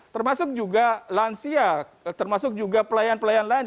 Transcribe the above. termasuk juga lansia termasuk juga pelayan pelayan lain